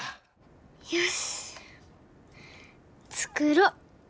よし作ろ！